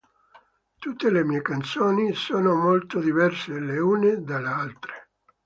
Tutte le mie canzoni sono molto diverse le une dalle altre.